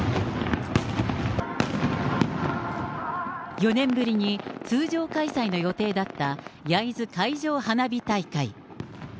４年ぶりに通常開催の予定だった焼津海上花火大会。